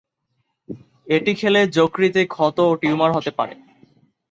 এটি খেলে যকৃতে ক্ষত ও টিউমার হতে পারে।